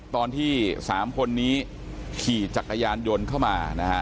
ตอนที่๓คนนี้ขี่จักรยานยนต์เข้ามานะฮะ